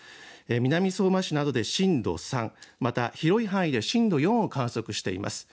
南相馬市などで震度３、また広い範囲で震度４を観測しています。